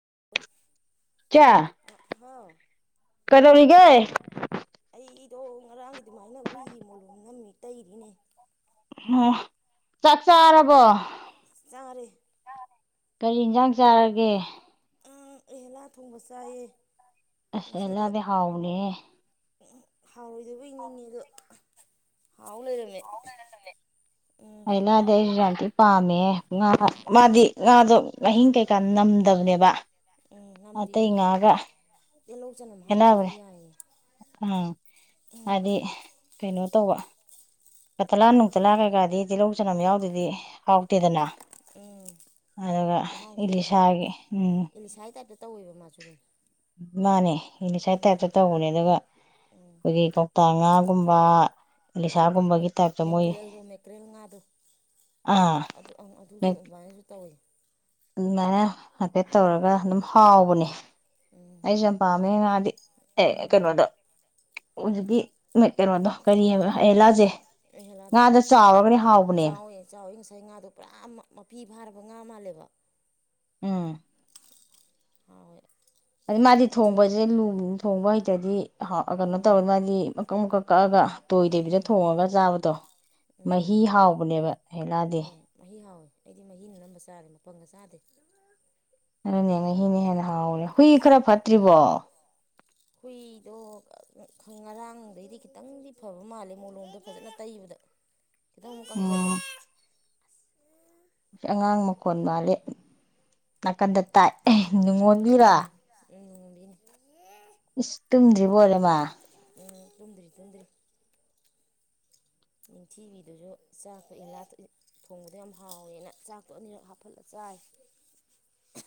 [inaudible] ꯏꯆꯦ ꯍꯣ ꯀꯗꯧꯔꯤꯒ ꯑꯩꯗꯣ ꯉꯔꯥꯡꯒꯤ ꯑꯗꯨꯃꯥꯏꯅ ꯍꯨꯏ ꯃꯣꯂꯣꯝ ꯅꯝꯃꯤ ꯇꯩꯔꯤꯅꯦ ꯑꯣ ꯆꯥꯛ ꯆꯥꯔꯕꯣ ꯆꯔꯦ ꯀꯔꯤ ꯌꯦꯟꯁꯥꯡ ꯆꯥꯔꯒꯦ ꯎꯪ ꯑꯩꯍꯦꯂꯥ ꯊꯣꯡꯕ ꯆꯥꯏꯌꯦ ꯉꯁꯤꯗꯣ ꯑꯍꯦꯂꯗꯤ ꯍꯥꯑꯣꯕꯅꯤꯍꯦ ꯍꯥꯎꯔꯣꯏꯗꯕꯣꯏ ꯅꯤꯡꯉꯦ ꯑꯗꯣ ꯍꯥꯎ ꯂꯩꯔꯝꯃꯦ ꯎꯝ ꯑꯍꯦꯂꯥꯗꯤ ꯑꯩꯁꯨ ꯌꯥꯝ ꯗꯤ ꯄꯥꯝꯃꯦ ꯉꯥ ꯃꯥꯗꯤ ꯉꯥꯗꯣ ꯉꯍꯤꯡ ꯀꯩꯀꯥ ꯅꯝꯗꯕꯅꯦꯕ ꯎꯝ ꯑꯥꯇꯩ ꯅꯝꯗꯤꯌꯦ ꯉꯒ ꯇꯤꯜꯍꯧ ꯆꯅꯝ ꯍꯥꯞꯇ꯭ꯔꯁꯨ ꯈꯦꯠꯅꯕꯅꯤ ꯌꯥꯏꯌꯦ ꯑꯥ ꯍꯥꯏꯗꯤ ꯀꯩꯅꯣ ꯇꯧꯕ ꯀꯇꯂꯥ ꯅꯨꯡꯇꯂꯥ ꯀꯩꯀꯥꯗꯤ ꯇꯤꯜꯍꯧ ꯆꯅꯝ ꯌꯥꯎꯗꯗꯤ ꯍꯥꯎꯇꯦꯗꯅ ꯎꯝ ꯑꯗꯨꯒ ꯃꯍꯥꯎꯁꯦ ꯏꯂꯤꯁꯥꯒꯤ ꯎꯝ ꯑꯦꯂꯤꯁꯥꯏ ꯇꯥꯏꯞꯇ ꯇꯧꯋꯦꯕ ꯃꯥꯁꯨ ꯑꯗꯨꯝ ꯃꯥꯅꯦ ꯑꯩꯩꯂꯤꯁꯥꯏ ꯇꯥꯏꯞꯇ ꯇꯧꯕꯅꯦ ꯑꯗꯨꯒ ꯑꯩꯈꯣꯏꯒꯤ ꯀꯧꯇꯥ ꯉꯥ ꯏꯕꯥ ꯑꯩꯈꯣꯏ ꯃꯦꯀ꯭ꯔꯦꯜꯗꯣ ꯃꯦꯀ꯭ꯔꯦꯜ ꯉꯥꯗꯣ ꯑꯥ ꯑꯗꯨ ꯑꯗꯨꯁꯨ ꯑꯗꯨꯃꯥꯏꯅꯁꯨ ꯇꯩꯏ ꯑꯗꯨꯃꯥꯏꯅ ꯍꯥꯏꯐꯦꯠ ꯇꯧꯔꯒ ꯑꯗꯨꯝ ꯍꯥꯎꯕꯅꯦ ꯑꯩꯁꯨ ꯌꯥꯝ ꯄꯥꯝꯃꯦ ꯉꯥꯗꯤ ꯑꯦ ꯀꯩꯅꯣꯗ ꯍꯧꯖꯤꯛꯀꯤ ꯀꯩꯅꯣꯗꯣ ꯀꯔꯤꯑꯕ ꯑꯩ ꯂꯥꯥꯁꯦ ꯑꯍꯦꯂꯥꯗꯣ ꯉꯥꯗꯣ ꯆꯥꯎꯔꯒꯅꯦ ꯍꯥꯎꯕꯅꯦ ꯉꯩ ꯉꯥꯗꯣ ꯄꯨꯔꯥ ꯃꯥꯄꯤ ꯐꯥꯔꯕ ꯉꯥ ꯃꯥꯜꯂꯦꯕ ꯎꯝ ꯍꯥꯎꯋꯦ ꯑꯩ ꯃꯥꯗꯤ ꯅꯤꯡꯊꯤ ꯊꯣꯡꯕꯁꯦ ꯂꯨ ꯊꯣꯡꯕ ꯍꯩꯇ ꯇ꯭ꯔꯗꯤ ꯍ ꯀꯩꯅꯣ ꯇꯧ ꯃꯥꯗꯤ ꯑꯃꯨꯛꯀ ꯀꯛꯑꯒ ꯇꯣꯏꯗꯕꯤꯗ ꯍꯣꯏ ꯊꯣꯡꯉꯒ ꯆꯥꯕꯗꯣ ꯃꯍꯤ ꯎꯝ ꯍꯥꯎꯕꯅꯦꯕ ꯍꯩꯂꯥꯗꯤ ꯍꯣꯏ ꯃꯍꯤ ꯍꯥꯎꯋꯤ ꯑꯩꯗꯤ ꯃꯍꯤ ꯅ ꯑꯅꯝꯕ ꯆꯥꯔꯦ ꯃꯄꯪꯒ ꯆꯥꯗꯦ ꯑꯗꯨꯅꯦ ꯃꯍꯤꯅ ꯍꯦꯟꯅ ꯍꯥꯎꯦ ꯍꯨꯏ ꯈꯔ ꯐꯠꯇ꯭ꯔꯤꯕꯣ ꯍꯨꯏꯗꯣ ꯉꯔꯥꯡꯗꯒꯩꯗꯤ ꯈꯤꯇꯪꯗꯤ ꯐꯕ ꯃꯥꯜꯂꯦ ꯃꯣꯂꯣꯝꯗꯣ ꯐꯖꯅ ꯇꯩꯕꯗ ꯈꯤꯇꯪ ꯑꯃꯨꯛ ꯀꯪꯁꯜꯂꯦ ꯎꯝ ꯑꯉꯥꯡ ꯃꯈꯣꯟ ꯃꯥꯜꯂꯦ ꯅꯥꯀꯟꯗ ꯇꯥꯏ ꯅꯨꯡꯉꯣꯟꯕꯤꯔꯥ ꯎꯝ ꯎꯝ ꯅꯣꯡꯉꯥꯟꯕꯤꯅꯤ ꯏꯁ ꯇꯨꯝꯗ꯭ꯔꯤꯕꯣꯏꯔꯦ ꯃꯥ ꯎ ꯇꯨꯝꯗ꯭ꯔꯤ ꯇꯨꯝꯗꯔꯤ ꯅꯤꯡꯊꯤꯕꯤꯗꯨꯁꯨ ꯆꯥꯛꯇꯣ ꯍꯩꯂꯥ ꯊꯣꯡꯕꯗꯣ ꯌꯥꯝ ꯍꯥꯎꯋꯦꯅ ꯆꯥꯛꯇꯣ ꯑꯅꯤꯔꯛ ꯍꯥꯞꯐꯠꯂ ꯆꯥꯏ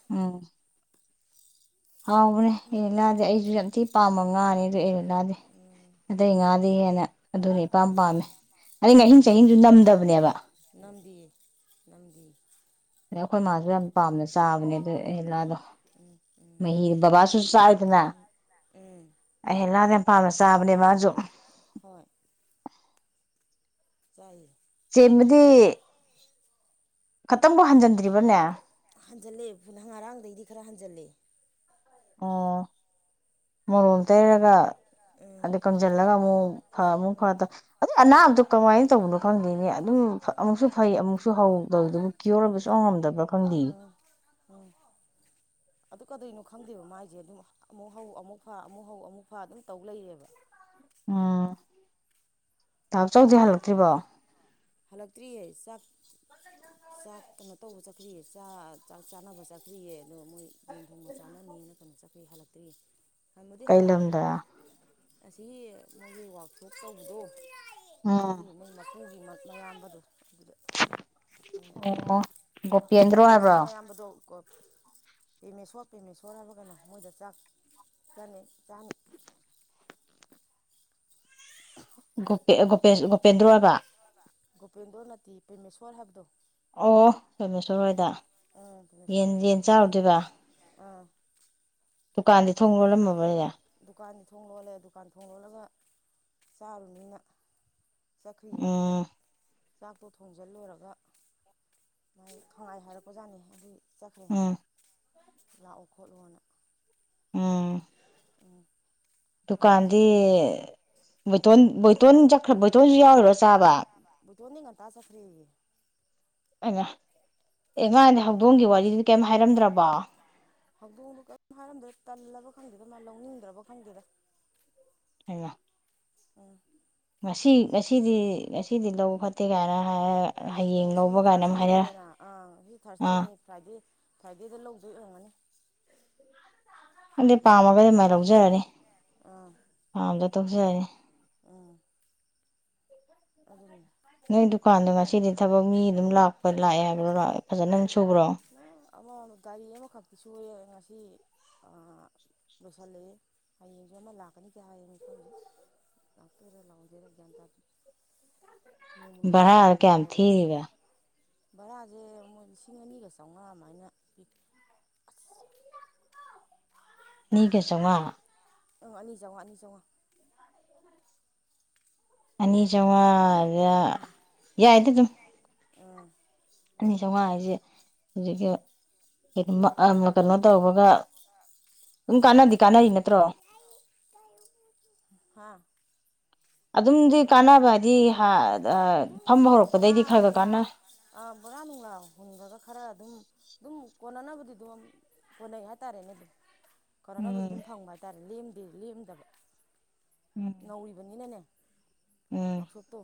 ꯎꯝ ꯍꯥꯎꯕꯅꯦ ꯑꯦꯂꯗꯤ ꯑꯩꯁꯨ ꯌꯥꯝ ꯎꯝ ꯊꯤ ꯄꯥꯝꯕ ꯉꯥꯅꯤ ꯍꯩꯂꯥꯗꯤ ꯑꯇꯩ ꯉꯥꯗꯩ ꯍꯦꯟꯅ ꯑꯗꯨꯅ ꯏꯄꯥꯝ ꯄꯥꯝꯃꯦ ꯑꯗꯩ ꯉꯍꯤꯡ ꯎꯝ ꯆꯍꯤꯡꯁꯨ ꯅꯝꯗꯕꯅꯦꯕ ꯅꯝꯗꯦ ꯑꯗꯩ ꯑꯩꯈꯣꯏ ꯃꯥꯁꯨ ꯌꯥꯝ ꯄꯥꯝꯅ ꯆꯥꯕꯅꯦ ꯑꯗꯨ ꯑꯍꯦꯂꯥꯗꯣ ꯃꯍꯤꯗ ꯕꯕꯥꯁꯨ ꯆꯥꯏꯗꯅ ꯎꯝ ꯑꯍꯦꯂꯥꯗ ꯄꯥꯝꯅ ꯆꯥꯕꯅꯦ ꯃꯥꯁꯨ ꯍꯣꯏ [inaudible] ꯆꯥꯏꯌꯦ ꯇꯕꯗꯤ ꯈꯇꯪꯕꯨ ꯍꯟꯖꯤꯟꯗ꯭ꯔꯤꯕꯅꯦ ꯍꯟꯖꯜꯂꯦꯅ ꯉꯔꯥꯡꯗꯒꯤꯗꯤ ꯈꯔ ꯍꯟꯖꯜꯂꯦ ꯑꯥ ꯃꯣꯂꯣꯝ ꯇꯩꯔꯒ ꯑꯗ ꯀꯟꯖꯟꯂꯒ ꯑꯃꯨ ꯍꯪ ꯐꯥ ꯑꯃꯨꯛ ꯐꯥꯗ ꯑꯗꯨꯝ ꯑꯅꯥꯕꯗꯣ ꯀꯃꯥꯏꯅ ꯇꯧꯕꯅꯣ ꯈꯪꯗꯦꯅꯦ ꯑꯗꯨꯝ ꯑꯃꯨꯛꯁꯨ ꯐꯩ ꯑꯃꯨꯛꯁꯨ ꯍꯧ ꯗꯨꯕꯨ ꯀ꯭ꯌꯣꯔ ꯑꯣꯏꯕꯁꯨ ꯉꯝꯗꯕ꯭ꯔꯥ ꯈꯪꯗꯦ ꯑꯗꯨ ꯀꯗꯣꯏꯅꯣ ꯈꯪꯗꯦꯕ ꯃꯥꯏꯁꯦ ꯑꯗꯨꯝ ꯑꯃꯨꯛ ꯍꯧ ꯑꯃꯨꯛ ꯐꯥ ꯑꯃꯨꯛ ꯍꯧ ꯑꯃꯨꯛ ꯐꯥ ꯑꯗꯨꯝ ꯇꯧ ꯂꯩꯔꯦꯕ ꯎꯝ ꯇꯥꯝꯆꯧꯗꯤ ꯑꯗꯨꯅ ꯇꯧ ꯍꯜꯂꯛꯇ꯭ꯔꯤꯕꯣ ꯍꯜꯂꯛꯇ꯭ꯔꯤꯌꯦ ꯆꯥꯛ ꯆꯥꯛ ꯀꯩꯅꯣ ꯇꯧꯕ ꯆꯠꯈ꯭ꯔꯤꯌꯦ ꯆ ꯆꯥꯛ ꯆꯥꯅꯕ ꯆꯠꯈ꯭ꯔꯤꯌꯦ ꯑꯗꯣ ꯃꯣꯏ ꯌꯦꯟ ꯊꯣꯡꯕ ꯆꯥꯅꯅꯤꯅ ꯀꯩꯅꯣ ꯆ ꯍꯂꯛꯇꯔꯤ ꯍꯟꯕꯨꯗꯤ ꯀꯩ ꯍꯥꯂꯛ ꯑꯅꯤ ꯂꯝꯗ ꯑꯁꯤ ꯃꯣꯏꯒꯤ ꯋꯥꯛꯁꯣꯞ ꯇꯧꯕꯗꯣ ꯎꯝ ꯑꯗꯨꯒꯤ ꯃꯣꯏ ꯃꯄꯨꯒꯤ ꯃꯛ ꯃꯌꯥꯝꯕꯗꯨ ꯑꯗꯨꯗ ꯃꯣꯏꯅ ꯑꯣ ꯒꯣꯠ ꯁꯨꯔꯦꯁꯀꯤ ꯃꯌꯥꯝꯕꯗꯣ ꯏꯀꯣ ꯄꯦꯃꯦꯁꯣꯔ ꯄꯦꯃꯦꯁꯣꯔ ꯍꯥꯏꯕ ꯀꯩꯅꯣ ꯃꯣꯏꯗ ꯆꯥꯛ ꯆꯥꯅꯤ ꯆꯥꯅꯤ ꯒꯣꯄꯦ ꯒꯣꯄꯦꯁ ꯒꯣꯄꯦꯗꯔꯣꯗ ꯒꯣꯄꯦꯟꯗ꯭ꯔꯣ ꯅꯇꯦ ꯄ꯭ꯔꯦꯃꯦꯁꯣꯔ ꯍꯥꯏꯕꯗꯣ ꯑꯣ ꯔꯥꯏꯃꯦꯁꯣꯔ ꯍꯣꯏꯗ ꯎꯝ ꯄꯦꯃꯦꯁꯣꯔ ꯌꯦꯟ ꯍꯣꯏꯗ ꯌꯦꯟ ꯆꯥꯔꯨꯗꯣꯏꯕ ꯑꯥ ꯗꯨꯀꯥꯟꯗꯤ ꯊꯣꯡ ꯂꯣꯜꯂꯝꯃꯕꯅꯤꯅ ꯗꯨꯀꯥꯟꯗꯤ ꯊꯣꯡ ꯂꯣꯜꯂꯦ ꯗꯨꯀꯥꯟ ꯊꯣꯅꯡ ꯂꯣꯜꯂꯒ ꯆꯥꯔꯨꯅꯤꯅ ꯆꯠꯈꯔꯤꯌꯦ ꯎꯝ ꯆꯥꯛꯇꯣ ꯊꯣꯡꯖꯜ ꯂꯣꯏꯔꯒ ꯃꯥꯏ ꯈꯪꯍꯥꯏ ꯍꯥꯏꯔꯛꯄꯖꯥꯠꯅꯤ ꯑꯗꯨꯒꯤ ꯆꯠꯈ꯭ꯔꯦ ꯎꯝ ꯂꯥꯛꯑꯣ ꯈꯣꯠꯂꯣꯅ ꯎꯝ ꯎꯝ ꯑꯗꯨꯃꯥꯏꯅ ꯗꯨꯀꯥꯟꯗꯤ ꯇꯧꯋꯦ ꯕꯣꯏꯇꯣꯟ ꯕꯣꯏ ꯎꯝ ꯆꯠꯈ꯭ꯔ ꯕꯣꯏꯇꯣꯟꯁꯨ ꯌꯥꯎꯔꯤꯔꯣ ꯆꯥꯕ ꯗꯤ ꯉꯟꯇꯥ ꯆꯠꯈꯔ꯭ꯦꯌꯦ ꯑ ꯑꯦ ꯉꯥꯅꯦ ꯍꯧꯗꯣꯡꯒꯤ ꯋꯥꯔꯤꯗꯨꯗꯤ ꯀꯩꯝ ꯍꯥꯏꯔꯝꯗ꯭ꯔꯕꯣ ꯍꯧꯗꯣꯡꯗꯨꯣ ꯀꯝ ꯍꯥꯏꯔꯝꯗ꯭ꯔꯦ ꯇꯜꯂꯕ ꯈꯪꯗꯦꯗ ꯃꯥ ꯂꯧꯅꯤꯡꯗ꯭ꯔꯕ ꯈꯪꯗꯦꯗ ꯍꯩꯝ ꯎꯝ ꯉꯁꯤ ꯉꯁꯤꯗꯤ ꯉꯁꯤꯗꯤ ꯂꯧ ꯐꯠꯇꯦ ꯀꯥꯏꯅ ꯍꯥꯏꯔꯒ ꯉꯁꯤꯁꯦ ꯊꯥꯔꯁꯗꯦꯅꯤꯗꯅ ꯉꯁꯤ ꯑꯥ ꯊꯥꯔꯁꯗꯦꯅꯤ ꯐ꯭ꯔꯥꯏꯗꯦ ꯐꯔꯥꯏꯗꯦꯗ ꯂꯧꯗꯣꯏ ꯑꯣꯏꯝꯒꯅꯤ ꯑꯗꯨꯗꯤ ꯄꯥꯝꯃꯒꯗꯤ ꯃꯥꯏꯅ ꯂꯧꯖꯔꯅꯤ ꯑꯥ ꯍꯥꯡꯗ ꯇꯣꯛꯆꯔꯅꯤ ꯎꯝ [unintelligible] ꯅꯣꯏ ꯗꯨꯀꯥꯟꯗꯣ ꯉꯁꯤꯗꯤ ꯊꯕꯛ ꯃꯤ ꯑꯗꯨꯝ ꯂꯥꯛꯄ ꯂꯥꯛꯑꯦ ꯍꯥꯏꯕ꯭ꯔꯣ ꯐꯖꯅ ꯁꯨꯕ꯭ꯔꯣ ꯑꯃ ꯒꯥꯔꯤ ꯑꯃꯈꯛꯇꯤ ꯁꯨꯏꯌꯦ ꯉꯁꯤ ꯂꯣꯏꯁꯤꯜꯂꯤꯅꯤ ꯍꯌꯦꯡꯁꯨ ꯑꯃ ꯂꯥꯛꯀꯅꯤꯗꯤ ꯍꯥꯏꯌꯦ ꯑꯗꯣ ꯈꯪꯗꯦ ꯂꯥꯛꯇꯣꯏꯔꯥ ꯂꯥꯛꯗꯣꯏꯔꯥ ꯒ꯭ꯌꯥꯟ ꯇꯥꯗꯦ ꯅꯣꯡꯃ ꯅꯣꯡꯃꯒꯤ ꯗꯥꯎ ꯕꯥꯔꯥ ꯀꯌꯥꯝ ꯗꯥꯎꯗꯅꯤ ꯊꯤꯔꯤꯒꯦ ꯚꯔꯥꯁꯦ ꯃꯨꯣꯏ ꯂꯤꯁꯤꯡ ꯑꯅꯤꯒ [unintelligible] ꯆꯥꯎꯉꯥ ꯃꯥꯏꯅ ꯊꯤ [unintelligible] ꯆꯉꯥ ꯑꯪ ꯑꯅꯤꯆꯧꯉꯥ ꯑꯅꯤꯆꯧꯉꯥ ꯑꯅꯤ ꯆꯧꯉꯥ ꯌꯥꯏꯗ ꯑꯗꯨꯝ ꯑꯥ ꯑꯅꯤ ꯆꯥꯝꯃꯉꯥ ꯍꯥꯏꯁꯦ [unintelligible] [unintelligible] ꯀꯩꯅꯣ ꯇꯧꯕꯒ ꯑꯗꯨꯝ ꯀꯥꯟꯅꯗꯤ ꯀꯥꯟꯅꯔꯤ ꯅꯠꯇ꯭ꯔꯣ ꯍꯥ ꯑꯗꯨꯝꯗꯤ ꯍꯜꯂꯣ ꯀꯥꯟꯅꯕ ꯍꯥꯏꯗꯤ ꯑꯗꯨꯝ ꯐꯝꯕ ꯕꯔꯥ ꯍꯧꯔꯛꯄꯗꯩꯗꯤ ꯈꯔ ꯈꯔ ꯅꯨꯡꯂꯥ ꯀꯥꯟꯅ ꯕꯔꯥ ꯅꯨꯡꯂꯥ ꯍꯨꯟꯕꯒ ꯈꯔ ꯑꯗꯨꯝ ꯑꯗꯨꯝ ꯀꯣꯟꯅꯅꯕꯗꯤ ꯑꯗꯨ ꯀꯣꯟꯅꯩ ꯍꯥꯏꯇꯥꯔꯦꯅꯦ ꯑꯗꯨ [unintelligible] ꯎꯝ [unintelligible] ꯂꯦꯝꯗꯤ ꯂꯦꯝꯗꯕ ꯎꯝ ꯅꯧꯔꯤꯕꯅꯤꯅꯅꯦ ꯎꯝ ꯋꯥꯔꯛꯁꯣꯄꯇꯣ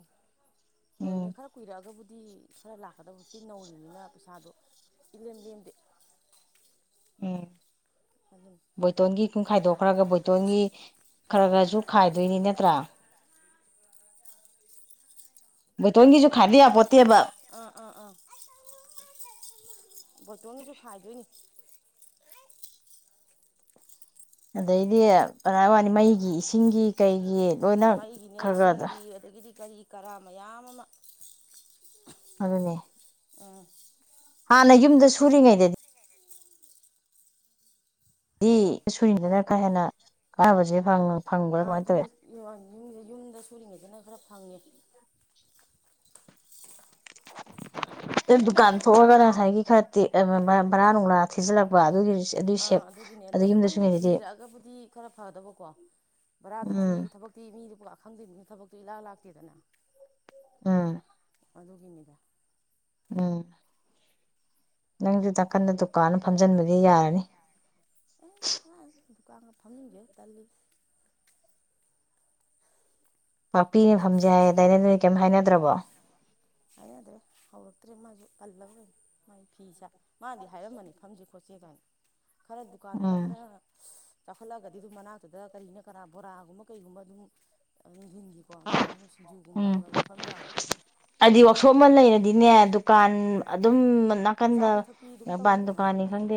ꯎꯝ [unintelligible] ꯈꯔ ꯀꯨꯏꯔꯛꯑꯕꯨꯗꯤ [unintelligible] ꯈꯔ ꯂꯥꯛꯀꯗꯕ ꯍꯧꯖꯤꯛꯇꯤ ꯅꯧꯔꯤꯅꯤꯅ ꯄꯩꯁꯥꯗꯣ ꯏꯂꯦꯝ ꯂꯦꯝꯗꯦ ꯎꯝ ꯑꯗꯨꯅꯤ ꯕꯣꯏꯇꯣꯟꯒꯤ ꯀꯨꯡ ꯈꯥꯏꯗꯣꯛꯈ꯭ꯔꯒ ꯕꯣꯏꯇꯣꯟꯒꯤ ꯈꯔ ꯈꯔꯁꯨ ꯈꯥꯏꯗꯣꯏꯅꯤ ꯅꯠꯇ꯭ꯔꯥ ꯑꯪ ꯕꯣꯏꯇꯣꯟꯒꯤꯁꯨ ꯑꯪ ꯈꯥꯏꯗ ꯑꯪ ꯌꯥꯄꯣꯟꯇꯦꯕꯥ ꯑꯪ ꯑꯪ ꯑꯪ ꯕꯣꯏꯇꯣꯟꯒꯤꯁꯨ ꯈꯥꯏꯗꯣꯏꯅꯤ ꯑꯗꯩꯗꯤ [unintelligible] ꯋꯥꯅꯤ ꯃꯩꯒꯤ ꯏꯁꯤꯡꯒꯤ ꯀꯩꯒꯤ ꯂꯣꯏꯅ ꯎꯝ ꯈꯔ ꯃꯩꯒꯤꯅꯦ ꯈꯔꯗ ꯏꯁꯤꯡꯒꯤ ꯑꯗꯒꯤꯗꯤ ꯀꯔꯤ ꯀꯔꯥ ꯃꯌꯥꯝ ꯑꯃ ꯑꯗꯨꯅꯦ ꯎꯝ ꯍꯥꯟꯅ ꯌꯨꯝꯗ ꯁꯨꯔꯤꯉꯩꯗꯗꯤ ꯗꯤ ꯍꯜꯂꯣ ꯁꯣꯏꯔꯤꯗꯅ ꯀꯥ ꯍꯦꯟꯅ ꯀꯥꯅꯕꯁꯦ ꯐꯪꯅ ꯑ ꯑꯗꯨꯅ [unintelligible] ꯌꯨꯝꯗ ꯌꯨꯝꯗ ꯁꯨꯔꯤꯉꯩꯗꯅ ꯈꯔ ꯐꯪꯉꯦ ꯑ ꯗꯨꯀꯥꯟ ꯊꯣꯛꯑꯒ ꯉꯁꯥꯏꯒꯤ ꯈꯔ ꯕꯔꯥ ꯅꯨꯡꯂꯥ ꯊꯤꯖꯤꯜꯂꯛꯄ ꯑꯗꯨꯒꯤꯅꯤ ꯑꯥ ꯑꯗꯨꯒꯤꯅꯦ ꯑꯗꯣ ꯈꯤꯇꯪ ꯂꯤꯔꯛꯑꯒꯕꯨꯗꯤ ꯈꯔ ꯐꯗꯕꯀꯣ ꯕꯔꯥꯗꯨ ꯊꯤ ꯎꯝ ꯊꯕꯛꯇꯤ ꯃꯤꯗꯨ ꯄꯨ ꯂꯥꯛ ꯈꯪꯗꯦꯅꯦ ꯊꯕꯛꯁꯦ ꯏꯂꯥꯛ ꯂꯥꯛꯇꯦꯗꯅ ꯎꯝ ꯑꯗꯨꯒꯤꯅꯤꯗ ꯎꯝ ꯅꯪꯁꯨ ꯅꯥꯀꯟꯗ ꯗꯨꯀꯥꯟ ꯑꯃ ꯐꯝꯖꯟꯕꯒꯤ ꯌꯥꯔꯅꯤ ꯑꯦ ꯑꯁ ꯗꯨꯀꯥꯟꯒ ꯐꯝꯅꯤꯡꯗꯦ ꯇꯜꯂꯤ ꯄꯥꯛꯄꯤꯅ ꯐꯝꯖꯦ ꯍꯥꯏꯗꯥꯏꯅꯦ ꯅꯣꯏ ꯀꯔꯤꯝꯇ ꯍꯥꯏꯅꯗ꯭ꯔꯕꯣ ꯍꯥꯏꯅꯗ꯭ꯔꯦ ꯍꯧꯔꯛꯇ꯭ꯔꯦ ꯃꯥꯁꯨ ꯄꯜꯂꯕ ꯃꯥꯒꯤ ꯐꯤꯁꯦ ꯃꯥꯗꯤ ꯍꯥꯏꯔꯝꯃꯅꯤ ꯐꯝꯁꯦ ꯈꯣꯠꯁꯦ ꯀꯥꯏꯅ ꯈꯔ ꯗꯨꯀꯥꯟꯗꯨꯅ ꯎꯝ ꯈꯔ ꯆꯥꯎꯈꯠꯂꯛꯒꯗꯤ ꯑꯗꯨꯝ ꯃꯅꯥꯛꯇꯨꯗ ꯀꯔꯤꯅ ꯀꯔꯥ ꯕꯣꯔꯥꯒꯨꯝꯕ ꯀꯩꯒꯨꯝꯕ ꯑꯗꯨꯝ ꯟꯒꯤꯀꯣ ꯑꯗꯨꯃꯥꯏꯅ ꯁꯤꯡꯖꯨꯒꯨꯝꯕ ꯎꯝ ꯑꯗꯨꯃꯥꯏꯅ ꯑꯗꯨꯝ ꯐꯝ ꯌꯥꯕ ꯑꯗꯨ ꯍꯥꯏꯗꯤ ꯋꯥꯛꯁꯣꯞ ꯑꯃ ꯅꯠꯇꯕꯅꯤꯅ ꯂꯩꯔꯗꯤꯅꯦ ꯗꯨꯀꯥꯟ ꯑꯗꯨꯝ ꯅꯥꯀꯟꯗ ꯆꯥꯕꯤ ꯊꯛꯄꯤ ꯑꯗꯨꯝ ꯄꯥꯟ ꯇꯧꯋꯤꯗꯅ ꯗꯨꯀꯥꯟꯅꯤ ꯈꯪꯗꯦ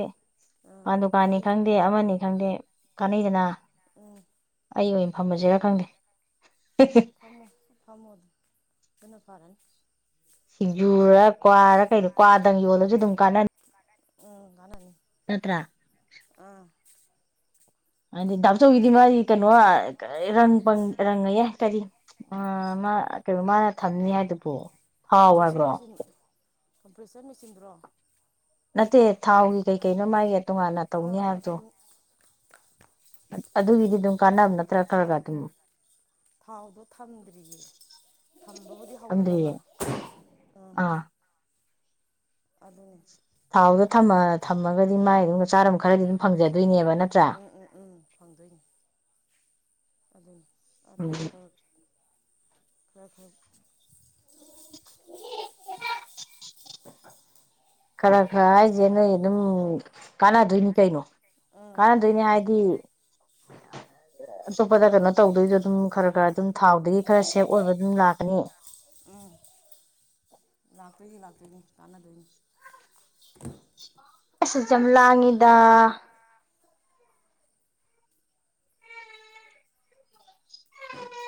ꯑꯥ ꯄꯥꯟ ꯗꯨꯀꯥꯟꯅꯤ ꯆꯥꯕꯤ ꯈꯪꯗꯦ ꯑꯃꯅꯤ ꯈꯪꯗꯦ ꯀꯥꯟꯅꯩꯗꯅ ꯎ ꯑꯩ ꯑꯣꯏꯅ ꯐꯝꯁꯤꯔ ꯈꯪꯗꯦ ꯍꯣꯏꯅꯦ ꯐꯃꯨꯅꯦ ꯑꯗꯨꯅ ꯐꯔꯅꯤ ꯁꯤꯡꯖꯨꯔ ꯀ꯭ꯋꯥꯔ ꯀꯩꯗꯣ ꯀ꯭ꯋꯥꯗꯪ ꯌꯣꯜꯂꯁꯨ ꯑꯗꯨꯝ ꯀꯥꯟꯅꯅꯤ ꯎꯝ ꯀꯥꯟꯅꯅꯤ ꯅꯠꯇꯔꯥ ꯑꯥ ꯍꯥꯏꯗꯤ ꯗꯥꯞꯆꯧꯒꯤꯗꯤ ꯃꯥꯒꯤ ꯀꯩꯅꯣꯪ ꯔꯪꯉꯌꯦ ꯀꯔꯤ ꯑ ꯀꯩꯅꯣ ꯃꯥꯅ ꯊꯝꯅꯤ ꯍꯥꯏꯗꯨꯕꯨ ꯍꯥꯎ ꯀꯝꯄ꯭ꯔꯦꯁꯔ ꯍꯥꯏꯕ꯭ꯔꯣ ꯃꯦꯆꯤꯟ ꯀꯝꯄ꯭ꯔꯦꯁꯔ ꯃꯦꯆꯤꯟꯗꯨ꯭ꯔꯣ ꯅꯠꯇꯦ ꯊꯥꯎꯒꯤ ꯀꯩ ꯀꯩꯅꯣ ꯃꯥꯒꯤ ꯇꯣꯉꯥꯟꯅ ꯑꯥ ꯇꯧꯅꯤ ꯑꯥ ꯍꯥꯏꯕꯗꯣ ꯑꯗꯨꯒꯤꯗꯤ ꯑꯗꯨꯝ ꯀꯥꯟꯅꯕ ꯅꯇ꯭ꯔ ꯎꯝ ꯊꯥꯎꯗꯣ ꯊꯝꯗ꯭ꯔꯤꯌꯦ ꯊꯝꯕꯕꯨꯗꯤ ꯑꯝꯗꯤꯌꯦ ꯍꯧꯔꯗꯕ ꯎꯝ ꯑꯥ ꯑꯗꯨ ꯊꯥꯎꯗꯣ ꯊ ꯊꯝꯃꯒꯗꯤ ꯃꯥꯏ ꯑꯗꯨꯝ ꯆꯥꯔꯝ ꯈꯔꯗꯤ ꯑꯗꯨꯝ ꯐꯪꯖꯗꯦ ꯎꯝ ꯎꯝ ꯎꯝ ꯐꯪꯗꯣꯏꯅꯦ ꯑꯗ ꯎꯝ ꯑꯗꯨꯑ ꯈꯔ ꯈꯔ [inaudible] ꯈꯔ ꯈꯔ ꯈꯥꯏꯖꯦ ꯅꯣꯏ ꯑꯗꯨꯝ ꯀꯥꯟꯅꯗꯣꯏꯅꯤ ꯀꯩꯅꯣ ꯀꯥꯟꯅꯗꯣꯏꯅꯤ ꯍꯥꯏꯗꯤ ꯑꯇꯣꯞꯄꯗ ꯀꯩꯅꯣ ꯇꯧꯗꯣꯏꯁꯨ ꯑꯗꯨꯝ ꯈꯔ ꯈꯔ ꯑꯗꯨꯝ ꯊꯥꯎꯗꯒꯤ ꯈꯔ ꯁꯦꯞ ꯑꯣꯏꯕ ꯑꯗꯨꯝ ꯂꯥꯛꯀꯅꯤ ꯂꯥꯛꯇꯣꯏꯁꯤ ꯂꯥꯛꯇꯣꯏꯅꯤ ꯀꯥꯟꯅꯗꯣꯏꯅꯤ ꯄꯁꯁ ꯌꯥꯝ ꯂꯥꯡꯉꯤꯗ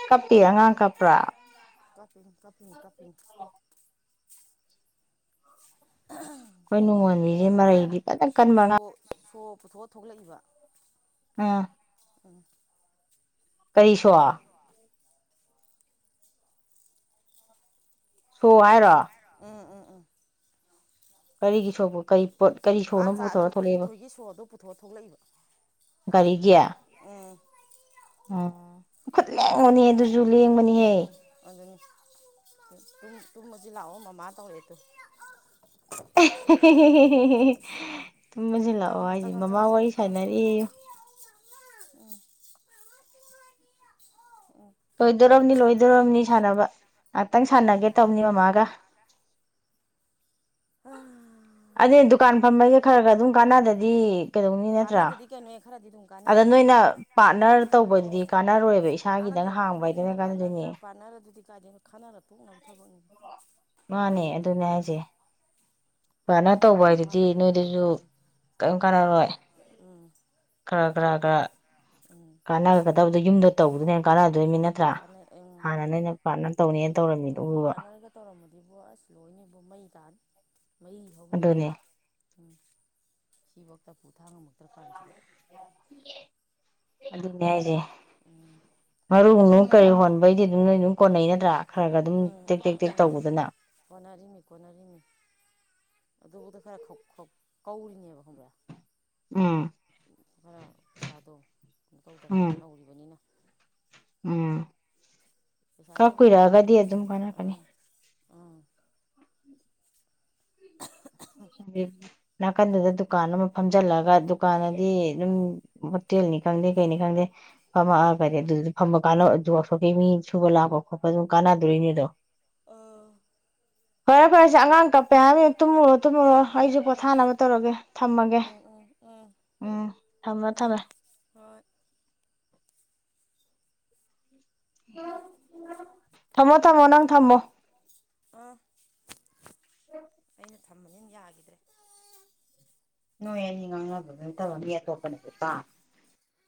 ꯀꯄꯤ ꯑꯉꯥꯡ ꯀꯄ꯭ꯔꯥ ꯇꯄꯤꯤꯡ ꯇꯄꯤꯤꯡ ꯇꯄꯤꯤꯡ ꯑꯩꯈꯣꯏ ꯇꯥꯗꯦ ꯅꯣꯡꯉꯣꯟꯕꯤꯁꯦ ꯃꯔꯩꯗꯤ ꯐꯖꯅ ꯀꯟꯕꯅ ꯁꯣ ꯁꯣ ꯄꯨꯊꯣꯛꯑ ꯊꯣꯛꯂꯛꯏꯕ ꯑꯥ ꯎꯝ ꯀꯔꯤ ꯁꯣ ꯁꯣ ꯍꯥꯏꯔꯣ ꯑꯣ ꯑꯣ ꯑꯣ ꯀꯔꯤꯒꯤ ꯁꯄ ꯀꯔꯤ ꯄꯣꯠ ꯀꯔꯤ ꯑꯥ ꯁꯣꯅꯣ ꯆꯥ ꯄꯨꯊꯣꯔ ꯊꯣꯛꯂꯛꯑꯦꯕ ꯊꯣꯏꯒꯤ ꯁꯣꯔꯗꯣ ꯄꯨꯊꯣꯛꯑ ꯊꯣꯛꯂꯛꯏꯕ ꯀꯔꯤꯒꯌꯥ ꯎꯝ ꯎꯝ ꯃꯥꯈꯨꯠ ꯂꯦꯡꯕꯅꯤ ꯑꯗꯨ ꯁꯨꯨ ꯂꯦꯡꯕꯅꯤꯍꯦ ꯇ ꯇꯨ ꯃꯖꯤ ꯂꯥꯛꯑꯣꯣ ꯃꯃ ꯇꯧꯌꯦ ꯇ ꯊꯨꯝ ꯆꯪꯉꯣ ꯃꯁꯤꯜꯂꯛꯑꯣ ꯍꯥꯏꯁꯦ ꯆꯪꯉꯣ ꯃꯃꯥ ꯆꯪꯉꯣ ꯋꯥꯔꯤ ꯆꯪꯉꯣ ꯆꯪꯉꯣ ꯁꯥꯟꯅꯔ ꯎꯝ ꯅꯤ ꯂꯣꯏꯗꯣꯝꯅꯤ ꯁꯥꯟꯅꯕ ꯉꯥꯏꯍꯥꯛꯇꯪ ꯁꯥꯟꯅꯒꯦ ꯇꯧꯅꯤ ꯃꯃꯥꯒ ꯎꯝ ꯑꯗꯤꯨꯗꯨꯥꯟ ꯐꯝꯕ ꯌꯥ ꯈꯔ ꯈꯔ ꯑꯗꯨꯝ ꯀꯥꯟꯅꯗꯗꯤ ꯀꯩꯗꯧꯅꯤ ꯅꯠꯇ꯭ꯔꯥ ꯀꯥꯟꯅꯗꯗꯤ ꯀꯩꯅꯣꯍꯦ ꯈꯔꯗꯤ ꯑꯗꯨꯝ ꯑꯗ ꯀꯥꯟꯅꯔꯤꯅꯤ ꯅꯣꯏꯅ ꯄꯥꯔꯠꯅꯔ ꯇꯧꯕꯗꯤ ꯀꯥꯟꯅꯔꯣꯏꯕ ꯏꯁꯥꯒꯤꯗꯤ ꯒꯥꯔꯗꯦꯟꯣꯗ ꯄꯥꯔꯠꯅꯔ ꯑꯗꯨꯗꯤ ꯒꯥꯔꯗꯦꯟꯗ ꯈꯟꯅꯔ ꯄꯣꯛꯅꯕ ꯊꯕꯛꯅꯤ ꯆꯦꯡꯁꯨ ꯎꯝ ꯐꯅ ꯇꯧꯕ ꯋꯥ ꯍꯥꯏꯗꯨꯗꯤ ꯅꯣꯏꯗꯁꯨ ꯎꯝ ꯀꯔꯤꯝ ꯀꯥꯟꯅꯔꯣꯏ ꯎꯝ ꯈ꯭ꯔꯒ꯭ꯔꯥꯒ꯭ꯔ ꯎꯝ ꯍꯦꯟꯅ ꯀꯥꯟꯅꯗꯣꯏꯃꯤ ꯅꯠꯇ꯭ꯔꯥ ꯎꯝ ꯍꯥꯟꯅ ꯅꯣꯏꯅ ꯄꯥꯔꯠꯅꯔ ꯇꯧꯅꯦꯅ ꯑꯗꯨꯅꯤ ꯇꯧꯔꯝꯃꯤꯗꯣ ꯑꯦ ꯎꯕ ꯄꯥꯔꯠꯅꯔꯒ ꯇꯧꯔꯝꯃꯗꯤꯕꯣ ꯑꯁ ꯂꯣꯏꯅꯤꯕ ꯃꯩ ꯇꯥꯅꯤ ꯃꯩ ꯍꯧꯏꯤ ꯑꯗꯨꯅꯦ ꯎꯝ ꯁꯤꯐꯧꯗ ꯄꯨꯨꯊꯥꯡꯉꯝꯃꯛꯇ꯭ꯔ ꯀꯥꯟꯁꯤꯗ ꯑꯗꯨꯅꯦ ꯍꯥꯏꯁꯦ ꯎꯝ ꯃꯔꯨ ꯀꯔꯤ ꯍꯣꯟꯕꯩꯗꯤ ꯑꯗꯨꯝ ꯅꯣꯏ ꯑꯗꯨꯝ ꯀꯣꯟꯅꯩ ꯅꯠꯇ꯭ꯔꯥ ꯈꯔ ꯈ ꯑꯗꯨꯝ ꯎꯝ ꯇꯦꯛ ꯇꯦꯛ ꯇꯦꯛ ꯎꯝ ꯇꯧꯕꯗꯅ ꯀꯣꯟꯅꯔꯤꯃꯤ ꯀꯣꯟꯅꯔꯤꯃꯤ ꯑꯗꯨꯕꯨꯗ ꯈꯔ ꯀꯧꯔꯤꯅꯦꯕ ꯈꯪꯕ꯭ꯔꯥ ꯎꯝ ꯈꯔ ꯄꯩꯁꯥꯗꯣ ꯀꯩꯅꯣ ꯎꯝ ꯇꯧꯗꯕꯅꯤꯅ ꯅꯧꯔꯤꯕꯅꯤꯅ ꯎꯝ ꯀ ꯄꯩꯁꯥꯁꯦ ꯅꯍꯥꯟꯈꯩꯗꯤ ꯀꯨꯏꯔꯛꯑꯒꯗꯤ ꯑꯗꯨꯝ ꯀꯥꯟꯅꯀꯅꯤ ꯑꯥ ꯑꯥ [inaudible] ꯅꯥꯀꯟꯗꯨꯗ ꯗꯨꯀꯥꯟ ꯑꯃ ꯐꯝꯖꯜꯂꯒ ꯗꯨꯀꯥꯟꯗꯤ ꯑꯗꯨꯝ ꯍꯣꯇꯦꯜꯅꯤ ꯈꯪꯗꯦ ꯀꯩꯅꯤ ꯈꯪꯗꯦ ꯐꯝꯃ ꯀꯔꯤ ꯑꯗꯨꯗꯤ ꯐꯝꯃ ꯀꯥꯟꯅꯣ ꯑꯗꯨ ꯃꯤꯁꯨꯕ ꯂꯥꯛꯕꯣ ꯈꯣ ꯑꯗꯨ ꯀꯥꯟꯅꯗꯔꯤꯅꯤꯗꯣ ꯑꯥ ꯐꯔꯦ ꯐꯔꯦꯁꯦ ꯑꯉꯥꯡ ꯀꯞꯄꯦ ꯍꯥꯏ ꯇꯨꯝꯃꯨꯔ ꯇꯨꯝꯃꯔꯣ ꯎꯝ ꯑꯩꯁꯨ ꯎꯝ ꯄꯣꯊꯥꯅꯕ ꯇꯧꯔꯒꯦ ꯊꯝꯃꯒꯦ ꯎꯝ ꯎꯝ ꯎꯝ ꯎꯝ ꯊꯝꯃ ꯎꯝ ꯊꯝꯃꯦ ꯍꯣꯏ ꯊꯝꯃꯣ ꯊꯝꯃꯣ ꯅꯪ ꯊꯝꯃꯣ ꯑ ꯑꯩꯅ ꯊꯝꯕꯅꯤꯅ ꯌꯥꯈꯤꯗ꯭ꯔꯦ ꯅꯣꯏꯅꯤ ꯉꯉ ꯇꯔꯉ ꯇꯣꯄꯅꯤꯦꯀ